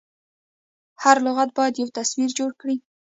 هر لغت باید یو تصویر جوړ کړي.